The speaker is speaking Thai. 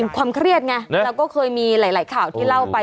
ความเครียดไงเราก็เคยมีหลายข่าวที่เล่าไป